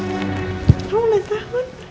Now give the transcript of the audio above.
apa ulang tahun